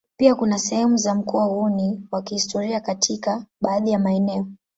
Pia kuna sehemu za mkoa huu ni wa kihistoria katika baadhi ya maeneo.